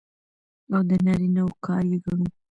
او د نارينه وو کار يې ګڼو.